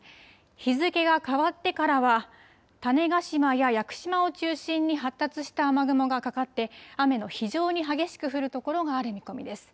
日付が変わってからは種子島や屋久島を中心に発達した雨雲がかかって、雨の非常に激しく降る所がある見込みです。